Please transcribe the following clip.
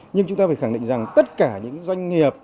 nhưng chúng ta phải khẳng định rằng tất cả những doanh nghiệp